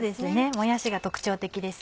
もやしが特徴的です。